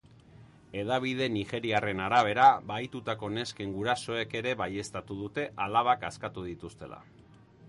Hedabide nigeriarren arabera, bahitutako nesken gurasoek ere baieztatu dute alabak askatu dituztela.